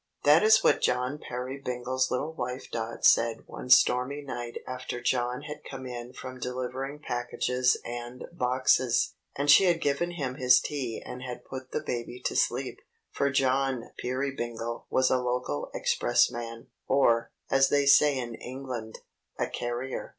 That is what John Peerybingle's little wife Dot said one stormy night after John had come in from delivering packages and boxes, and she had given him his tea and had put the baby to sleep. For John Peerybingle was a local expressman; or, as they say in England, a carrier.